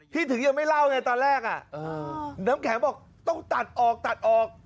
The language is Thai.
ถึงยังไม่เล่าไงตอนแรกน้ำแข็งบอกต้องตัดออกตัดออก